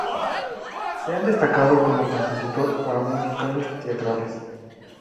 Se ha destacado como compositor para musicales teatrales.